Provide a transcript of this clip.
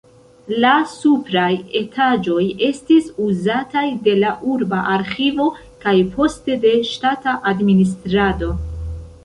La supraj etaĝoj estis uzataj de la urba arĥivo kaj poste de ŝtata administrado.